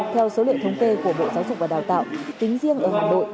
theo số liệu thống kê của bộ giáo dục và đào tạo tính riêng ở hàn bộ